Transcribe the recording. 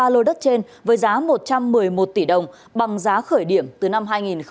ba lô đất trên với giá một trăm một mươi một tỷ đồng bằng giá khởi điểm từ năm hai nghìn một mươi sáu